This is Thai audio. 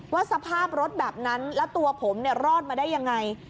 ว่าสภาพรถแบบนั้นแล้วตัวผมรอดมาได้ยังไง